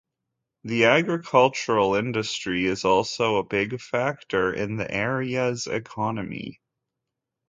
The agricultural industry is also a big factor in the area's economy.